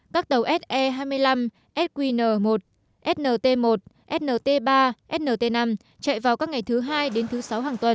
các tàu se hai mươi năm sqn một snt một snt ba snt năm chạy vào các ngày thứ hai đến thứ sáu hàng tuần